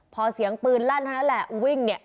พอเสียงปืนรั่นแล้วเนี่ย